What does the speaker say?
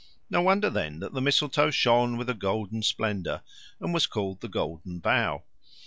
No wonder, then, that the mistletoe shone with a golden splendour, and was called the Golden Bough.